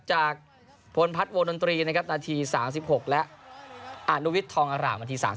พลพัฒน์วงดนตรีนะครับนาที๓๖และอนุวิทย์ทองอร่ามนาที๓๐